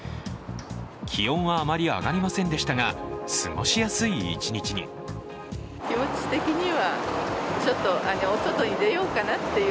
気温はあまり上がりませんでしたが過ごしやすい一日に。